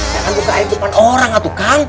ya kan buka aib depan orang nggak tuh kang